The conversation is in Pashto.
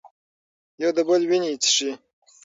یو د بل وینې څښي.